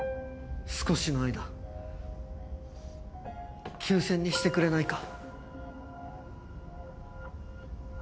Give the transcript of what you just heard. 少しの間休戦にしてくれないか？